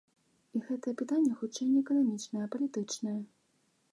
І гэтае пытанне хутчэй не эканамічнае, а палітычнае.